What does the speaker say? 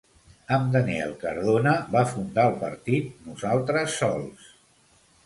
Amb Daniel Cardona va fundar el partit Nosaltres Sols!